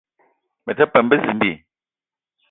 Me te peum bezimbi